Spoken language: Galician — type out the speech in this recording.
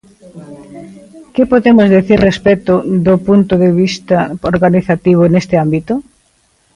¿Que podemos dicir respecto do punto de vista organizativo neste ámbito?